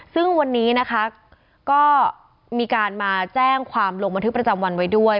ซึ่งวันนี้นะคะก็มีการมาแจ้งความลงบันทึกประจำวันไว้ด้วย